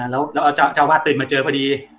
แล้วเจ้าอาวาสตื่นมาเจอพอดี